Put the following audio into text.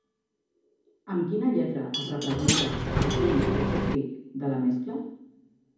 Amb quina lletra es representa al punt eutèctic de la mescla?